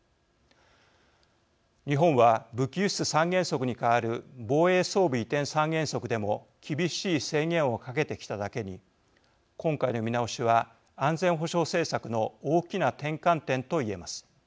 日本は武器輸出三原則に代わる防衛装備移転三原則でも厳しい制限をかけてきただけに今回の見直しは安全保障政策の大きな転換点と言えます。